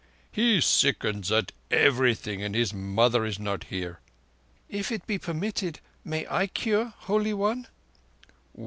"He sickens at everything, and his mother is not here." "If it be permitted, I may cure, Holy One."